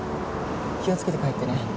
気をつけて帰ってね。